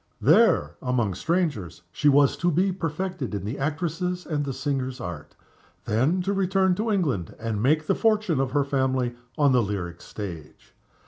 There, among strangers, she was to be perfected in the actress's and the singer's art; then to return to England, and make the fortune of her family on the lyric stage.